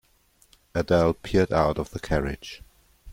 Adele peered out of the carriage.